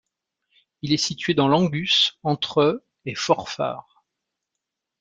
Il est situé dans l'Angus, entre et Forfar.